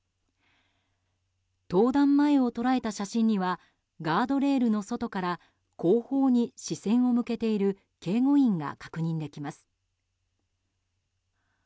登壇前を捉えた写真にはガードレールの外から後方に視線を向けている警護員が確認できます。